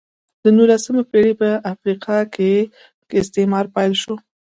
د نولسمې پېړۍ په افریقا کې استعمار پیل شو.